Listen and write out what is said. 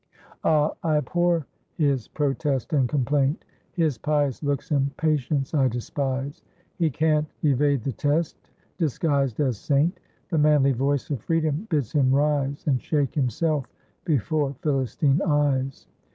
"Ah! I abhor his protest and complaint! His pious looks and patience I despise! He can't evade the test, disguised as saint; The manly voice of freedom bids him rise, And shake himself before Philistine eyes!